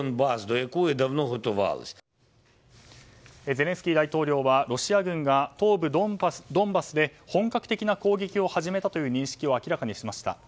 ゼレンスキー大統領はロシア軍が東部ドンバスで本格的な攻撃を始めたという認識を明らかにしました。